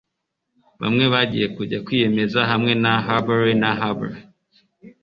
Bamwe bagiye kujya kwiyemeza hamwe na Harbury na Harbury